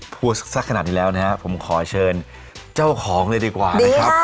พูดสักขนาดนี้แล้วนะครับผมขอเชิญเจ้าของเลยดีกว่านะครับ